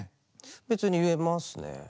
別に言えますね。